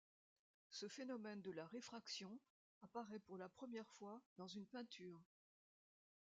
Ce phénomène de la réfraction apparaît pour la première fois dans une peinture.